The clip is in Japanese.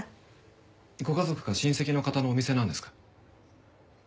ご家族か親戚の方のお店なんですか？